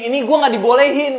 ini gue gak dibolehin